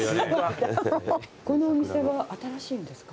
このお店は新しいんですか？